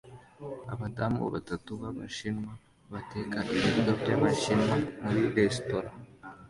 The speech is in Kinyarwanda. Abadamu batatu b'Abashinwa bateka ibiryo by'Abashinwa muri resitora